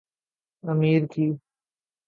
امیر کی